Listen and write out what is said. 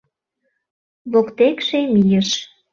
Воктекше мийыш.